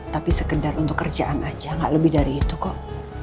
tapi sekedar untuk kerjaan aja gak lebih dari itu kok